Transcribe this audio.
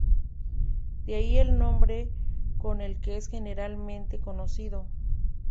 De ahí el nombre con el que es generalmente conocido.